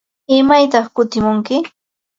¿Imaytaq kutimunki?